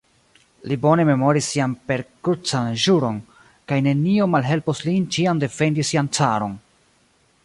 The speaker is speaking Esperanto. Li bone memoris sian perkrucan ĵuron, kaj nenio malhelpos lin ĉiam defendi sian caron.